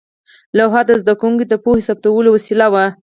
لوحه د زده کوونکو د پوهې ثبتولو وسیله وه.